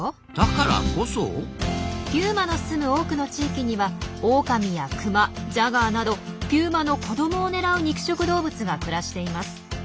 ピューマのすむ多くの地域にはオオカミやクマジャガーなどピューマの子どもを狙う肉食動物がくらしています。